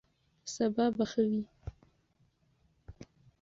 سبا به ښه وي.